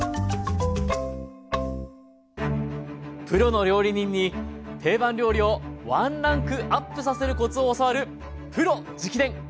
プロの料理人に定番料理をワンランクアップさせるコツを教わる「プロ直伝！」。